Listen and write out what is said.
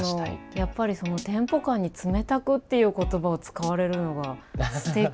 あとそのテンポ感に「冷たく」っていう言葉を使われるのがすてき。